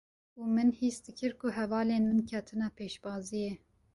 û min hîs dikir ku hevalên min ketine pêşbaziyê;